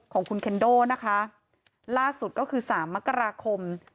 ของคุณเคนโดนะคะล่าสุดก็คือสามมกราคม